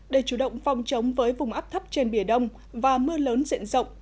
để chủ động phòng chống với vùng áp thấp trên bỉa đông và mưa lớn diện rộng